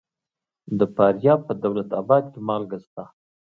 د فاریاب په دولت اباد کې مالګه شته.